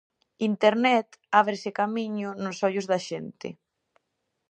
Internet ábrese camiño nos ollos da xente.